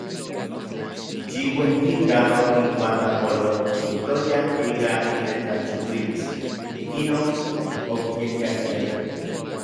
Yi uejkika okinkuatlapololtijtoya ika itetlajchiuilis, ikinon okiyekkakiayaj.